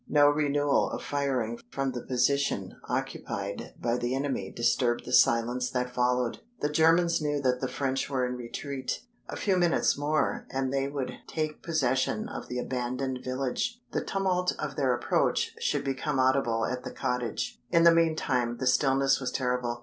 No renewal of firing from the position occupied by the enemy disturbed the silence that followed. The Germans knew that the French were in retreat. A few minutes more and they would take possession of the abandoned village: the tumult of their approach should become audible at the cottage. In the meantime the stillness was terrible.